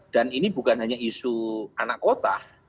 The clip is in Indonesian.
dan ini bukan hanya isu anak kota